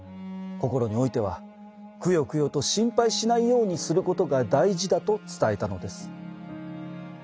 心においてはくよくよと心配しないようにすることが大事だと伝えたのです。